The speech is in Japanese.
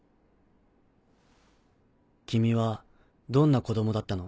君はどんな子供だったの？